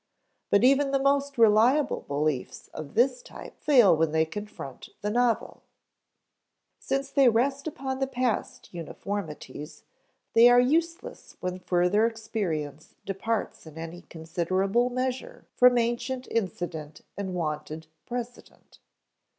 But even the most reliable beliefs of this type fail when they confront the novel. Since they rest upon past uniformities, they are useless when further experience departs in any considerable measure from ancient incident and wonted precedent.